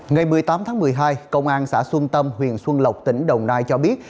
ngày một mươi tám tháng một mươi hai công an xã xuân tâm huyện xuân lộc tỉnh đồng nai cho biết